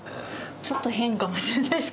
ちょっと変かもしれないです。